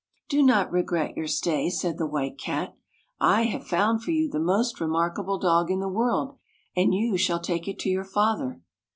" Do not regret your stay," said the White Cat. " 1 have found for you the most re markable dog in the world, and you shall take it to your father."